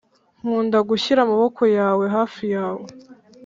nkunda gushyira amaboko yawe hafi yawe